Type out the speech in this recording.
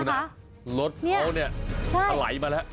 ดูนะรถเขาเนี่ยเขาไหลมาแล้ว